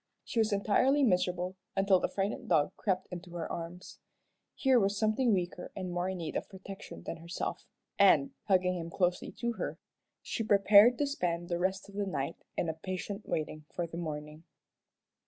She was entirely miserable until the frightened dog crept into her arms. Here was something weaker and more in need of protection than herself, and, hugging him closely to her, she prepared to spend the rest of the night in a patient waiting for the morning.